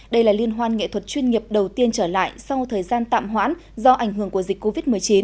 đây là liên hoan nghệ thuật chuyên nghiệp đầu tiên trở lại sau thời gian tạm hoãn do ảnh hưởng của dịch covid một mươi chín